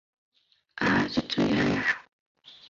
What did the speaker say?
啊！就这样喔